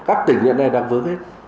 các tỉnh hiện nay đang vướng hết